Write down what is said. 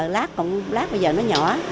lát bây giờ nó nhỏ